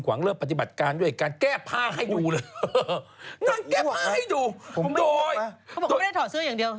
เขาบอกเขาก็ไม่ได้ถอดเสื้ออย่างเดียว